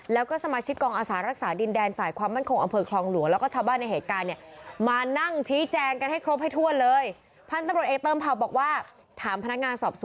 แล้วก็สมาชิกกองอาสารรักษาดินแดนฝ่ายความมั่นคงอำเภอครองหลวง